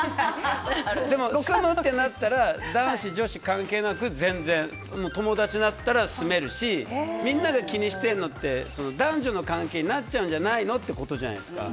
でも、住むってなったら男子女子関係なく友達だったら住めるしみんなが気にしてるのって男女の関係になっちゃうんじゃないのってことじゃないですか。